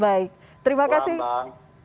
baik terima kasih